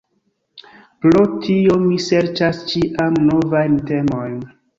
Pro tio mi serĉas ĉiam novajn temojn.